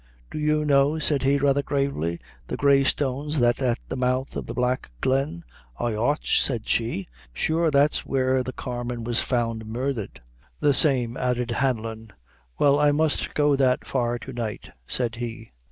"Do you know," said he, rather gravely, "the Grey Stone that's at the mouth of the Black Glen?" "I ought," said she; "sure that's where the carman was found murdhered." "The same," added Hanlon. "Well, I must go that far to night," said he.